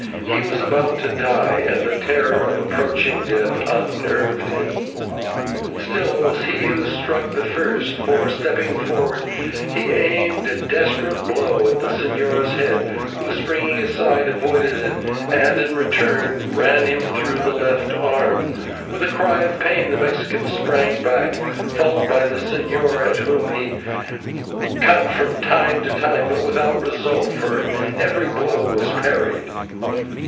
He was about to die, and the terror of approaching death unnerved him. Still it was he who struck the first, for, stepping forward, he aimed a desperate blow at the señor's head, who, springing aside, avoided it, and in return ran him through the left arm. With a cry of pain, the Mexican sprang back, followed by the señor, at whom he cut from time to time, but without result, for every blow was parried.